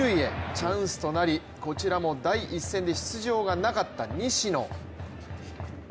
チャンスとなり、こちらも第１戦で出場がなかった西野。